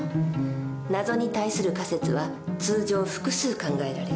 謎に対する仮説は通常複数考えられる。